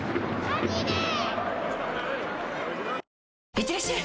いってらっしゃい！